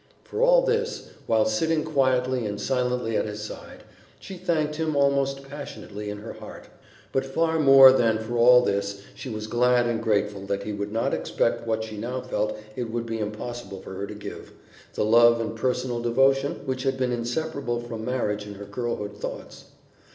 For all this, while sitting quietly and silently at his side, she thanked him almost passionately in her heart; but far more than for all this she was glad and grateful that he would not expect what she now felt it would be impossible for her to give the love and personal devotion which had been inseparable from marriage in her girlhood thoughts.